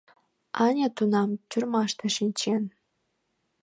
Аня тунам тюрьмаште шинчен.